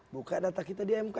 buka data kita di mk